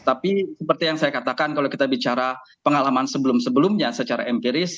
tapi seperti yang saya katakan kalau kita bicara pengalaman sebelum sebelumnya secara empiris